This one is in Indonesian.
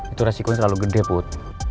itu resikonya terlalu gede put